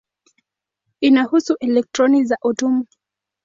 Inahusu elektroni za atomu.